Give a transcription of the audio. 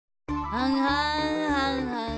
はんはんはんはん。